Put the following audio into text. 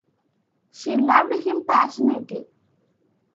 She loved him passionately.